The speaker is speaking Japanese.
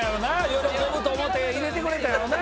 喜ぶと思って入れてくれたんやろな。